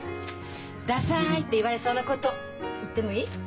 ダサいって言われそうなこと言ってもいい？